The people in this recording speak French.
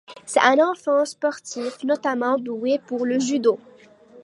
C'est un enfant sportif, notamment doué pour le judo.